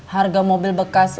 harga mobil bekas